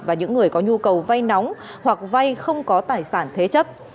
và những người có nhu cầu vay nóng hoặc vay không có tài sản thế chấp